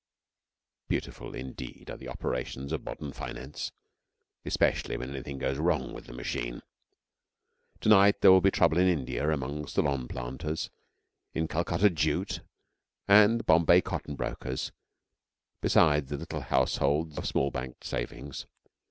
Beautiful indeed are the operations of modern finance especially when anything goes wrong with the machine. To night there will be trouble in India among the Ceylon planters, the Calcutta jute and the Bombay cotton brokers, besides the little households of small banked savings.